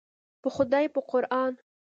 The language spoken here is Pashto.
په خدای په قوران.